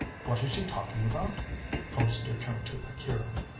What is she talking about?" Colpster turned to Akira.